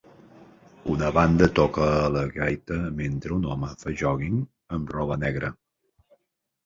Una banda toca la gaita mentre un home fa jòguing amb roba negra